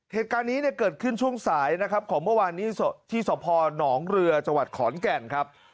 เหตุการณ์นี้เกิดขึ้นช่วงสายของเมื่อวานนี้ที่สพหนองเรือจขอนแก่นครับ